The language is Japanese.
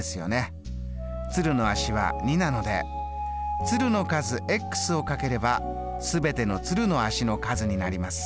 鶴の足は２なので鶴の数を掛ければ全ての鶴の足の数になります。